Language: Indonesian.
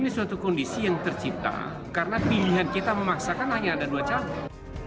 ini suatu kondisi yang tercipta karena pilihan kita memaksakan hanya ada dua calon